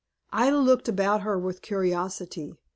Ida looked about her with curiosity.